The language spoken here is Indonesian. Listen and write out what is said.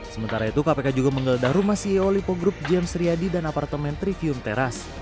sementara itu kpk juga menggeledah rumah ceo lipo group james riyadi dan apartemen trivium teras